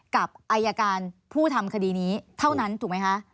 กับอายการผู้ทำคดีนี้เท่านั้นถูกไหมคะ